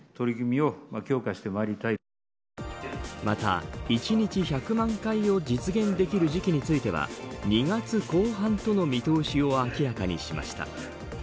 また、１日１００万回を実現できる時期については２月後半との見通しを明らかにしました。